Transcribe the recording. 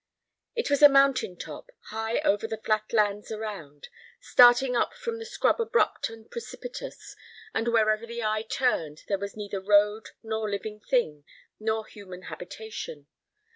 It was a mountain top, high over the flat lands around, starting up from the scrub abrupt and precipitous, and wherever the eye turned there was neither road, nor living thing, nor human habitation.